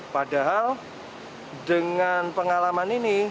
padahal dengan pengalaman ini